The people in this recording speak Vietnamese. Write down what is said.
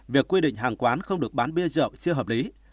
việc quy định hàng quán không được bán bia rượu chưa hợp lý